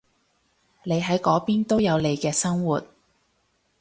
你喺嗰邊都有你嘅生活